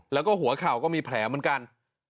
แล้วก็หัวเข่าก็มีแผลเหมือนกัน